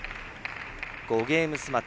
５ゲームマッチ。